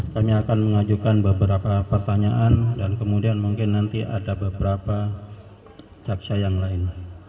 kami akan mengajukan beberapa pertanyaan dan kemudian mungkin nanti ada beberapa jaksa yang lain